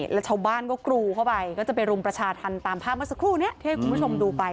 แล้วชาวบ้านก็กรูเข้าไปก็จะไปรุมประชาธรรมตามภาพเมื่อสักครู่นี้ที่ให้คุณผู้ชมดูไป